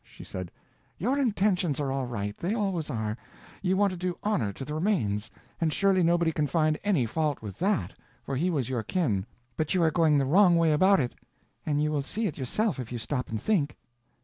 She said: "Your intentions are all right—they always are—you want to do honour to the remains, and surely nobody can find any fault with that, for he was your kin; but you are going the wrong way about it, and you will see it yourself if you stop and think.